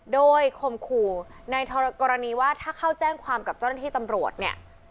โดยคมขู่ในกรณีว่าถ้าเข้าแจ้งความกับเจ้าหน้าที่ตำรวจเนี่ย